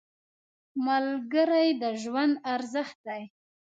ملګری د ژوند ارزښت دی